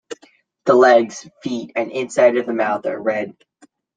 The legs, feet, and inside of the mouth are red.